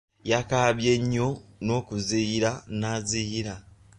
Yakaabye nnyo n'okuziyira n'aziyira.